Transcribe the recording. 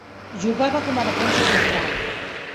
Jugava com a defensa central.